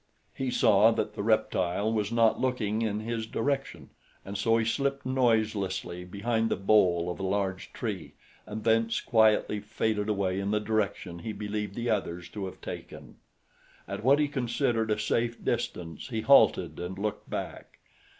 He saw that the reptile was not looking in his direction, and so he slipped noiselessly behind the bole of a large tree and thence quietly faded away in the direction he believed the others to have taken. At what he considered a safe distance he halted and looked back.